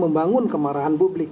membangun kemarahan publik